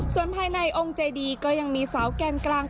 ส่วนภายในองค์เจดีก็ยังมีสาวแกนกลาง